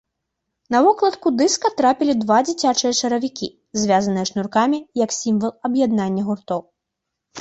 На вокладку дыска трапілі два дзіцячыя чаравікі, звязаныя шнуркамі як сімвал аб'яднання гуртоў.